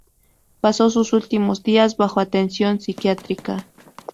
Pasó sus últimos días bajo atención psiquiátrica.